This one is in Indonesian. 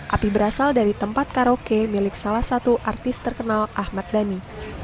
api berasal dari tempat karaoke milik salah satu artis terkenal ahmad dhani